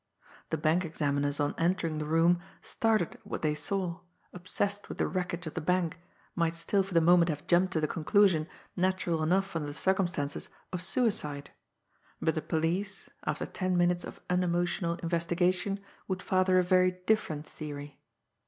The bank examiners on entering the room, started at what they saw, obsessed with the wreckage of the bank, might still for the moment have jumped to the conclusion, natural enough under the circumstances, of suicide; but the police, after ten minutes of unemotional investigation, would father a very different theory.